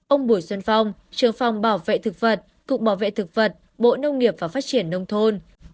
ông bùi xuân phong trường phòng bảo vệ thực vật cục bảo vệ thực vật bộ nông nghiệp và phát triển nông thôn